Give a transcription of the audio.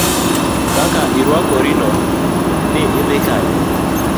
Kaka irwakorino ni dhi kanye.